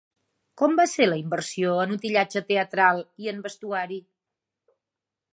Com va ser la inversió en utillatge teatral i en vestuari?